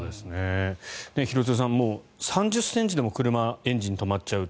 廣津留さん、３０ｃｍでも車はエンジンが止まっちゃう。